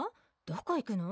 どこ行くの？